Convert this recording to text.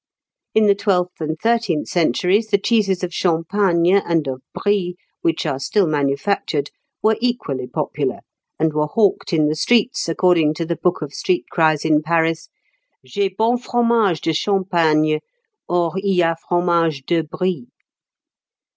In the twelfth and thirteenth centuries, the cheeses of Champagne and of Brie, which are still manufactured, were equally popular, and were hawked in the streets, according to the "Book of Street Cries in Paris," "J'ai bon fromage de Champaigne; Or i a fromage de Brie!"